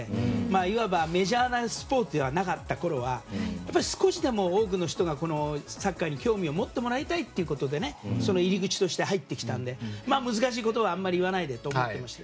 いわばメジャーなスポーツではなかったころは少しでも多くの人がサッカーに興味を持ってもらいたいということでその入り口として入ってきたので難しいことはあまり言わないでやってました。